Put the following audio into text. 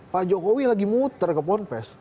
pak jokowi lagi muter ke ponpes